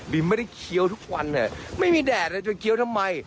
ไม่ได้เคี้ยวทุกวันเนี่ยไม่มีแดดเลยจนเคี้ยวทำไม